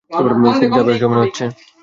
খুব চাপে আছ মনে হচ্ছে।